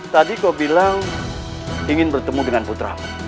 tadi kau bilang ingin bertemu dengan putra